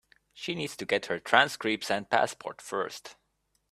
She needs to get her transcripts and passport first.